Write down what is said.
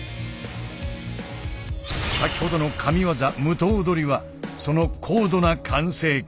先ほどの神技「無刀捕」はその高度な完成形。